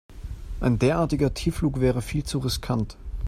Ein derartiger Tiefflug wäre viel zu riskant.